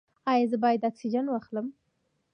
ایا زه باید اکسیجن واخلم؟